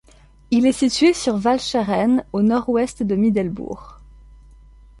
Il est situé sur Walcheren, au nord-ouest de Middelbourg.